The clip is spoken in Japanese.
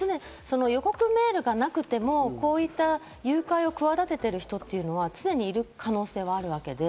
予告メールがなくても、こういった誘拐を企てている人というのは常にいる可能性があるわけで。